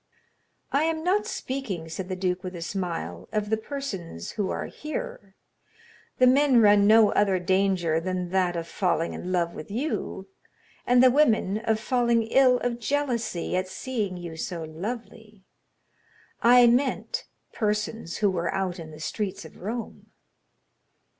"I am not speaking," said the duke with a smile, "of the persons who are here; the men run no other danger than that of falling in love with you, and the women of falling ill of jealousy at seeing you so lovely; I meant persons who were out in the streets of Rome."